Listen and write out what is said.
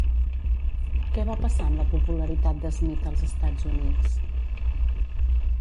Què va passar amb la popularitat de Smith als Estats Units?